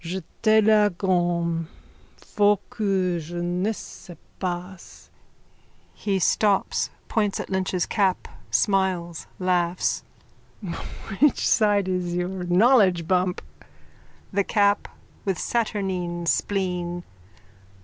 Jetez la gourme. Faut que jeunesse se passe. (He stops, points at Lynch's cap, smiles, laughs.) Which side is your knowledge bump? THE CAP: _(With saturnine spleen.)